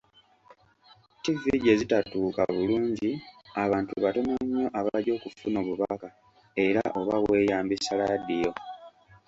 Ttivvi gye zitatuuka bulungi abantu batono nnyo abajja okufuna obubaka, era oba weeyambisa laadiyo.